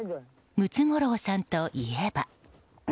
ムツゴロウさんといえば。